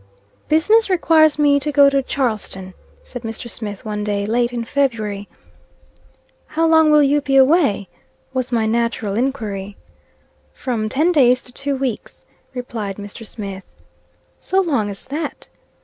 "Business requires me to go to Charleston," said Mr. Smith, one day late in February. "How long will you be away?" was my natural enquiry. "From ten days to two weeks," replied Mr. Smith. "So long as that?"